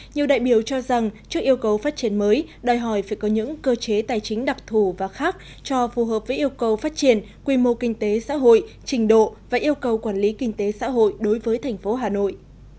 nhiều đại biểu cho rằng trước yêu cầu phát triển mới đòi hỏi phải có những cơ chế tài chính đặc thù và khác cho phù hợp với yêu cầu phát triển quy mô kinh tế xã hội trình độ và yêu cầu quản lý kinh tế xã hội đối với thành phố hà nội